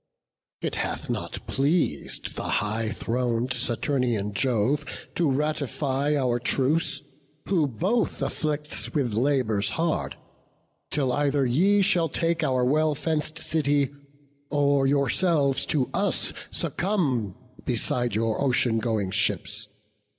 It hath not pleas'd high thron'd Saturnian Jove To ratify our truce, who both afflicts With labours hard, till either ye shall take Our well fenc'd city, or yourselves to us Succumb beside your ocean going ships.